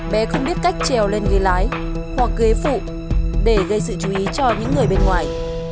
bé không biết cách trèo lên ghế lái hoặc ghế phụ để gây sự chú ý cho những người bên ngoài